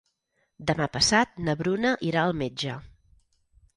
Demà passat na Bruna irà al metge.